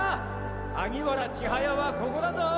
萩原千速はここだぞぉ！